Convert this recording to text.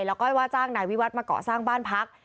แล้วก็ว่าจ้างนายวิวัฒน์มาเกาะสร้างบ้านพัก